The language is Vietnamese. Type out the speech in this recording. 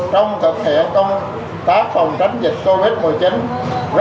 trong thực hiện công tác phòng chống dịch covid một mươi chín